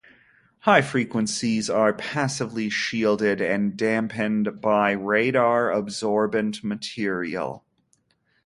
High frequencies are passively shielded and damped by radar absorbent material.